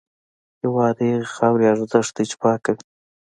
هېواد د هغې خاورې ارزښت دی چې پاکه وي.